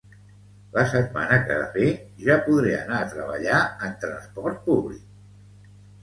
La setmana que ve ja podré anar a treballar en transport públic